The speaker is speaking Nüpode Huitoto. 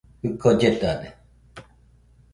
Jɨko lletade.